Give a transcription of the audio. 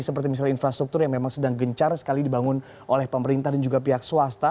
seperti misalnya infrastruktur yang memang sedang gencar sekali dibangun oleh pemerintah dan juga pihak swasta